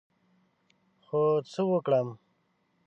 خو څه وکړم ؟